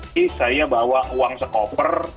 ini saya bawa uang sekoper